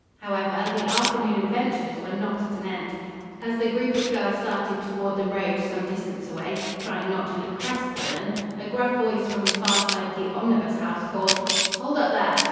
However, the afternoon adventures were not at an end. As the group of girls started toward the road, some distance away, trying not to look crestfallen, a gruff voice from the far side of the Omnibus House called: "Hold up there!"